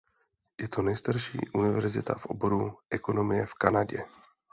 Je to nejstarší univerzita v oboru ekonomie v Kanadě.